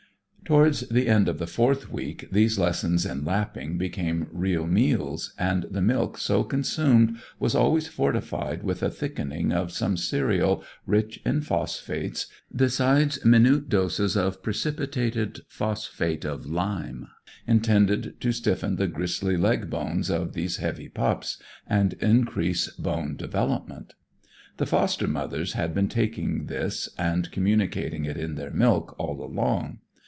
Toward the end of the fourth week these lessons in lapping became real meals, and the milk so consumed was always fortified with a thickening of some cereal rich in phosphates, besides minute doses of precipitated phosphate of lime, intended to stiffen the gristly leg bones of these heavy pups, and increase bone development. The foster mothers had been taking this, and communicating it in their milk, all along.